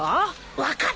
分かった！